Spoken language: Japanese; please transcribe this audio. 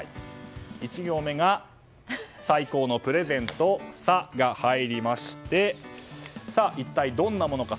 １行目が最高のプレゼントの「サ」が入りまして一体どんなものか。